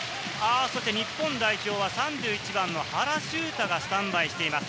日本代表は３１番の原修太がスタンバイしています。